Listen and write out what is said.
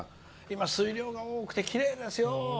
今、水量が多くてきれいですよ。